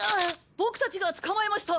ボクたちが捕まえました！